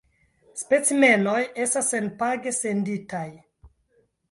Specimenoj estas senpage senditaj.